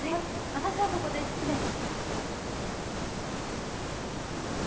私はここで失礼します。